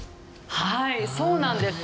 はいそうなんです。